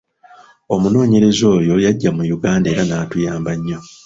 Omunoonyereza oyo yajja mu Uganda era n'atuyamba nnyo.